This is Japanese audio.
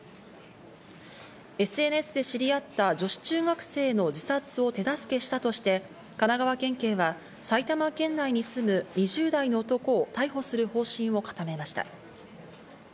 ＳＮＳで知り合った女子中学生の自殺を手助けしたとして神奈川県警は埼玉県内に住む２０代の男を逮捕する方針を固めました。